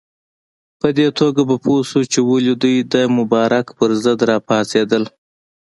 په دې توګه به پوه شو چې ولې دوی د مبارک پر ضد راپاڅېدل.